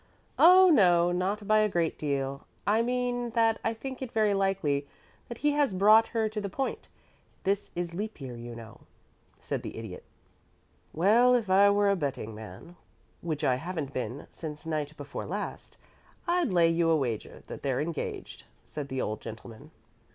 "Oh no; not by a great deal. I mean that I think it very likely that he has brought her to the point. This is leap year, you know," said the Idiot. "Well, if I were a betting man, which I haven't been since night before last, I'd lay you a wager that they're engaged," said the old gentleman.